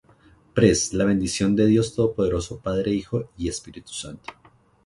Pres.: La bendición de Dios todopoderoso, Padre, Hijo, y Espíritu Santo,